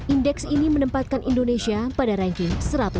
indeks ini menempatkan indonesia pada ranking satu ratus dua